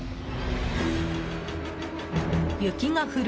雪が降る